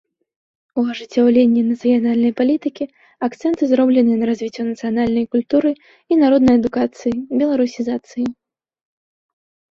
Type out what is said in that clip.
У ажыццяўленні нацыянальнай палітыкі акцэнты зроблены на развіццё нацыянальнай культуры і народнай адукацыі, беларусізацыі.